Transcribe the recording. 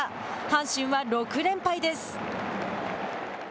阪神は６連敗です。